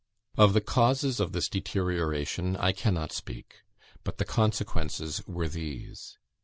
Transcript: Of the causes of this deterioration I cannot speak; but the consequences were these.